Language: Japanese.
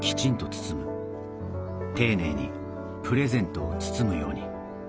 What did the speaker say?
丁寧にプレゼントを包むように。